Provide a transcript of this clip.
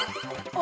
あ